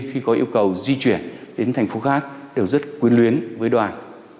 khi có yêu cầu di chuyển đến thành phố khác đều rất quyến luyến với đoàn